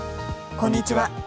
こんにちは。